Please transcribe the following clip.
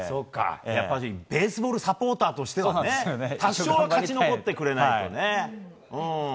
やっぱりベースボールサポーターとして多少は勝ち残ってくれないとね。